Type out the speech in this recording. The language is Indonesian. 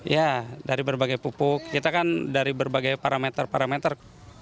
ya dari berbagai pupuk kita kan dari berbagai parameter parameter